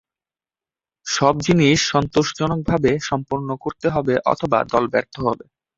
সব জিনিস সন্তোষজনকভাবে সম্পন্ন করতে হবে অথবা দল ব্যর্থ হবে।